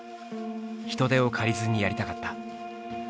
人手を借りずにやりたかった。